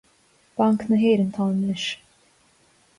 Banc na hÉireann atá ann anois